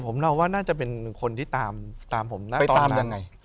ผมเดาว่าน่าจะเป็นคนที่ตามผมไปตามยังไง